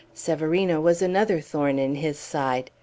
Severino was another thorn in his side.